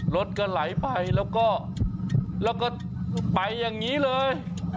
รถก็ไหลไปแล้วก็ไปอย่างนี้เลย